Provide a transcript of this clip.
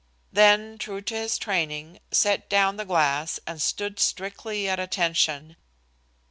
Then, true to his training, set down the glass and stood strictly at attention.